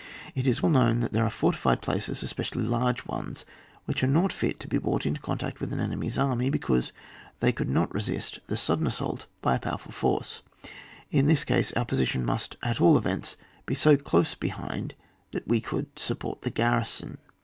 It is well known that there are fortified places, especially lai^ ones, which are not fit to be brought into contact with an enemy's army, be cause they could not resist the sudden assault of a powerful force. In this case, our position must at all events be so close behind that wo could support the garrison.